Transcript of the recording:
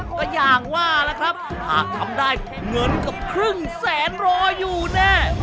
ก็อย่างว่าล่ะครับหากทำได้เงินเกือบครึ่งแสนรออยู่แน่